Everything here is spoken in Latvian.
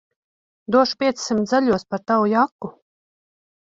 Došu piecsimt zaļos par tavu jaku.